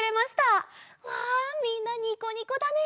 わみんなニコニコだね！